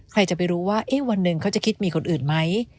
ใครจะไปรู้ว่าวันหนึ่งเขาจะคิดมีคนอื่นไหม